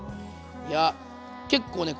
いや結構ね